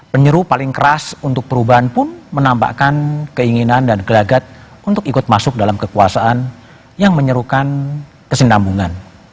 penyeru paling keras untuk perubahan pun menampakkan keinginan dan gelagat untuk ikut masuk dalam kekuasaan yang menyerukan kesinambungan